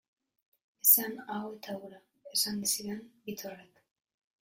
Eta hau eta hura, eta esan zidan Bittorrek.